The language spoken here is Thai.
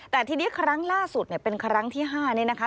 แต่ทีนี้ครั้งล่าสุดเนี่ยเป็นครั้งที่๕นี่นะคะ